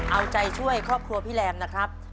เอาใจช่วยครอบครัวพี่แรมนะครับ